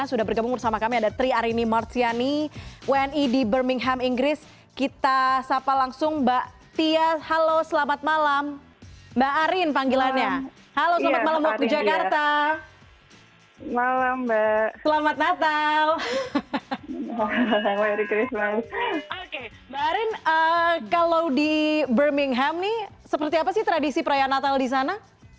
oke mbak arin kalau di birmingham nih seperti apa sih tradisi perayaan natal di sana